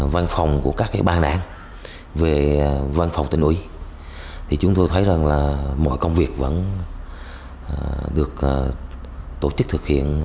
văn phòng của các ban đảng về văn phòng tỉnh ủy thì chúng tôi thấy rằng là mọi công việc vẫn được tổ chức thực hiện